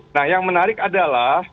nah yang menarik adalah